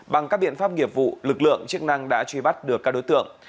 bằng các biện pháp nghiệp vụ lực lượng chức năng đã truy bắt được các đối tượng